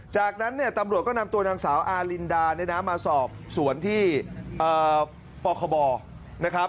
จากนั้นตำรวจก็นำตัวนางสาวอารินดามาสอบสวนที่ปค